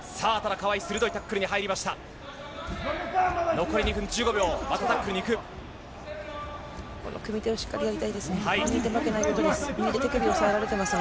川井、鋭いタックルに入りました。